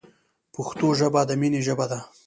پښتو ژبه د مینې ژبه ده.